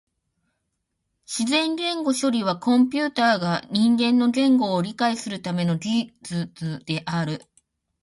自然言語処理はコンピュータが人間の言語を理解するための技術である。